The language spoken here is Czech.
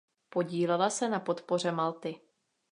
Podílela se na podpoře Malty.